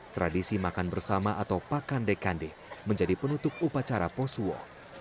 tradisi makan bersama atau pakandekande menjadi penutup upacara posuo